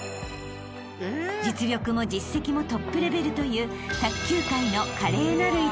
［実力も実績もトップレベルという］